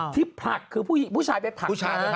ที่ผักคือผู้ชายไปผัก